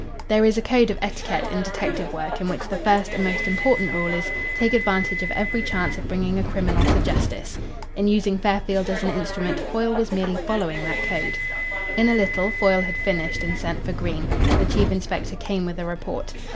There is a code of etiquette in detective work in which the first and most important rule is: "Take advantage of every chance of bringing a criminal to justice." In using Fairfield as an instrument, Foyle was merely following that code. In a little, Foyle had finished and sent for Green. The chief inspector came with a report.